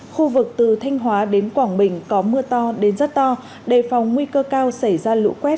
khu vực từ thanh hóa đến quảng bình có mưa to đến rất to đề phòng nguy cơ cao xảy ra lũ quét